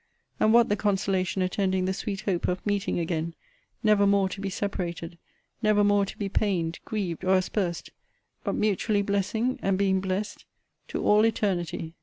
and what the consolation attending the sweet hope of meeting again, never more to be separated, never more to be pained, grieved, or aspersed; but mutually blessing, and being blessed, to all eternity!